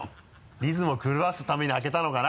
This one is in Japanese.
リズムを狂わすために空けたのかな？